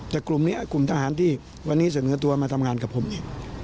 แต่กลุ่มนี้กลุ่มทหารที่วันนี้เสนอตัวมาทำงานกับผมเอง